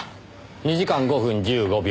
２時間５分１５秒。